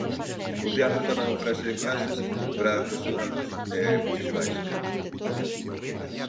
O teatro tamén ofrece clases para afeccionados e profesionais.